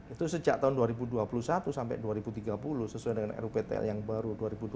itu sejak tahun dua ribu dua puluh satu sampai dua ribu tiga puluh sesuai dengan ruiptl yang baru dua ribu dua puluh satu dua ribu tiga puluh